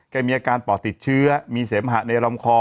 มีอาการปอดติดเชื้อมีเสมหะในลำคอ